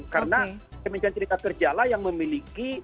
karena kementerian tenaga kerja lah yang memiliki